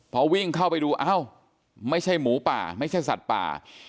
พอวิ่งเข้าไปดูอ้าวไม่ใช่หมูป่าไม่ใช่สัตว์ป่า